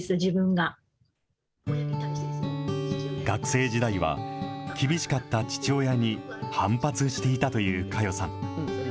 学生時代は、厳しかった父親に反発していたという佳代さん。